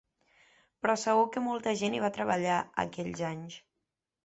Però segur que molta gent hi va treballar, aquells anys.